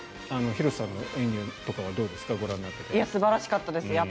広瀬さんの演技とかはどうですか素晴らしかったです。